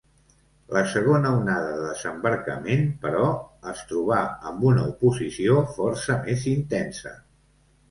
La segona onada de desembarcament, però, es trobà amb una oposició força més intensa.